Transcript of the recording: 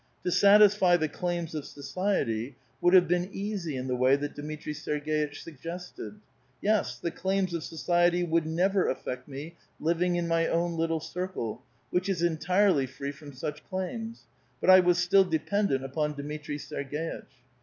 To satisfy the claims of society would have been easy in the way that Dmitri Serg^itch suggested. Yes ; the claims of society would never affect me living in my own little circle, which is entirely free from such claims ; but I was still dependent upon Dmitri Serg^itch.